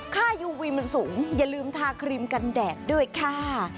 ค่ายูวีมันสูงอย่าลืมทาครีมกันแดดด้วยค่ะ